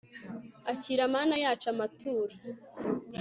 akira mana yacu amaturo